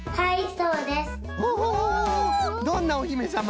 どんなおひめさま？